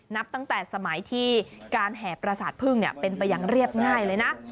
นับตั้งแต่สมัยที่การแห่ประสาทพึ่งเป็นไปอย่างเรียบง่ายเลยนะ